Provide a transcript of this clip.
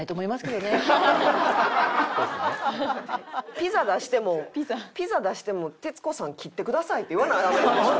ピザ出してもピザ出しても「徹子さん切ってください」って言わなダメなんでしょ？